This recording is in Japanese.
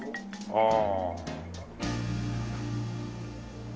ああ。